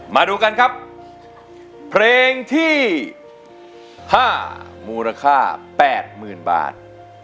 มาดูกันครับเพลงที่๕มูลค่า๘๐๐๐บาท